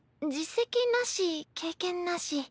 実績なし経験なし。